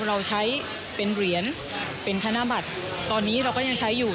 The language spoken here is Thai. เราใช้เป็นเหรียญเป็นธนบัตรตอนนี้เราก็ยังใช้อยู่